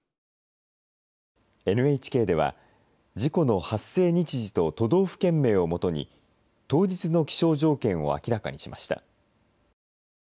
ＮＨＫでは事故の発生日時と都道府県名をもとに当日の気象条件を明らかにしました。